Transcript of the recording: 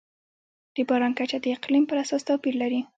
د باران کچه د اقلیم پر اساس توپیر لري.